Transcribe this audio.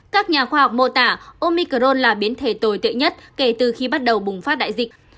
các nhà khoa học mô tả omicron là biến thể tồi tệ nhất kể từ khi bắt đầu bùng phát đại dịch